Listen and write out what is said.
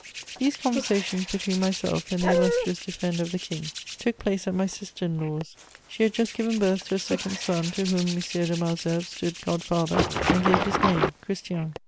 These conversations between myself and the illustrious defender of the King took place at my sister in law's; she had just given birth to a second son, to whom M. de Malesherbes stood god father and gave his name, Christian.